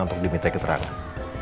untuk diminta keterangan